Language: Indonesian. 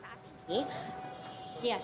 fani hingga sekarang